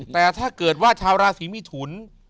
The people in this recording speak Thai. แต่ถ้าเกิดว่าชาวราศีมิถุน